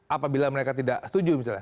apabila mereka tidak setuju misalnya